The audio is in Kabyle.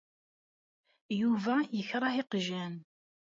Yuba ikreh iqjan.